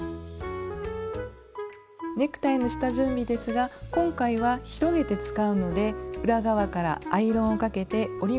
ネクタイの下準備ですが今回は広げて使うので裏側からアイロンをかけて折り目を伸ばします。